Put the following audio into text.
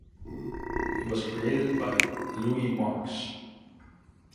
It was created by Louis Marks.